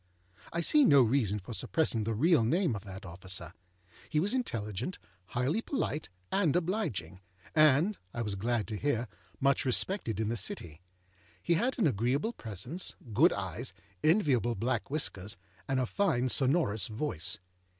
I see no reason for suppressing the real name of that officer. He was intelligent, highly polite, and obliging, and (I was glad to hear) much respected in the City. He had an agreeable presence, good eyes, enviable black whiskers, and a fine sonorous voice.